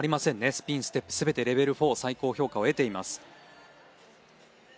スピンステップ全てレベル４最高評価を得ています。